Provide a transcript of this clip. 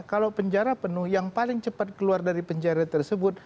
kalau penjara penuh yang paling cepat keluar dari penjara tersebut